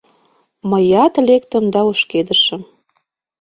Мыят лектым да ошкедышым.